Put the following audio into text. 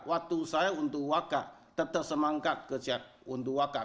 waktu saya untuk wakar tetap semangkat kerja untuk wakar